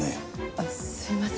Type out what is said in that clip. あっすいません